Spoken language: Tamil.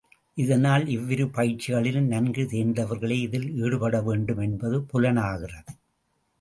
இதனால் இவ்விரு பயிற்சிகளிலும் நன்கு தேர்ந்தவர்களே இதில் ஈடுபட வேண்டும் என்பது புலனாகிறது.